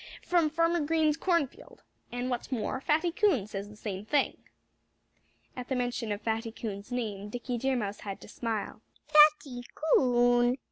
from Farmer Green's cornfield. And what's more, Fatty Coon says the same thing." At the mention of Fatty Coon's name Dickie Deer Mouse had to smile. "Fatty Coon!"